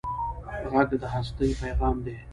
غږ د هستۍ پېغام دی